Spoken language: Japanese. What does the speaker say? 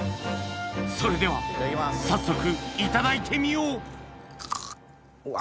それでは早速いただいてみよううわ